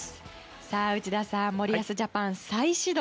内田さん、森保ジャパン再始動。